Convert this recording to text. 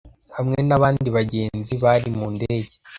hamwe nabandi bagenzi bari mu ndege.